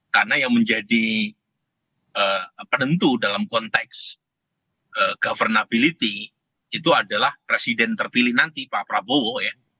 karena yang menjadi penentu dalam konteks governability itu adalah presiden terpilih nanti pak prabowo ya